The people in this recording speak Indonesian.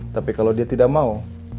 tapi kalau dia tidak mau